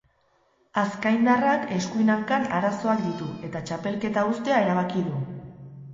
Azkaindarrak eskuin hankan arazoak ditu eta txapelketa uztea erabaki du.